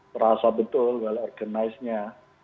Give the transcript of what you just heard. terasa betul bahwa organisenya